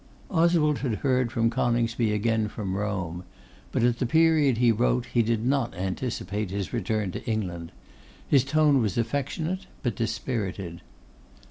Oswald had heard from Coningsby again from Rome; but at the period he wrote he did not anticipate his return to England. His tone was affectionate, but dispirited.